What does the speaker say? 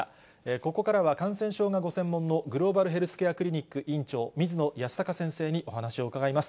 ここからは感染症がご専門の、グローバルヘルスケアクリニック院長、水野泰孝先生にお話を伺います。